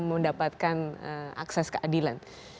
mendapatkan akses keadilan